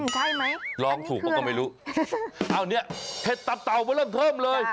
ใช่มั้ยลองถูกก็ไม่รู้อ้าวเนี่ยเห็ดตับเตามาเริ่มเพิ่มเลย